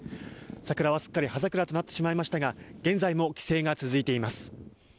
桜はすっかり葉桜となってしまいましたが現在も規制が続いています。